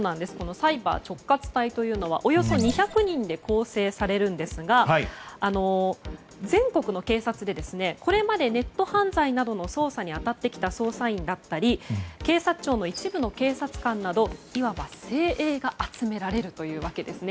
サイバー直轄隊というのはおよそ２００人で構成されるんですが全国の警察でこれまでネット犯罪などの捜査に当たってきた捜査員だったり警察庁の一部の警察官などいわば精鋭が集められるというわけですね。